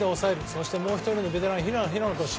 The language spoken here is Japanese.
そしてもう１人のベテラン平野投手。